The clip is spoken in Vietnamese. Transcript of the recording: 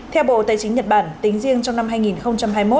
theo bộ tài chính nhật bản tính riêng trong năm hai nghìn hai mươi một